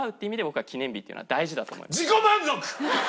自己満足！